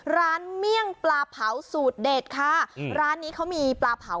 เมี่ยงปลาเผาสูตรเด็ดค่ะร้านนี้เขามีปลาเผา